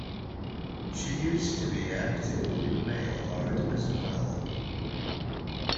She used to be active in mail art as well.